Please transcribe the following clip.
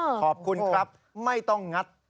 เออโอ้โฮขอบคุณครับไม่ต้องงัด